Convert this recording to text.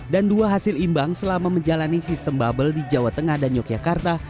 dan dua hasil imbang selama menjalani sistem bubble di jawa tengah dan yogyakarta